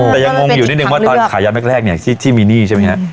แต่ยังงงอยู่นิดนึงว่าตอนขายันแรกเนี่ยที่มีหนี้ใช่ไหมฮะ